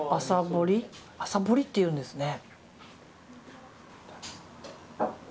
朝掘りっていうんですね。